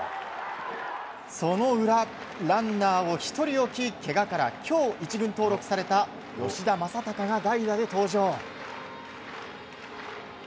その裏、ランナーを１人置きけがから今日１軍登録された吉田正尚が代打で登場。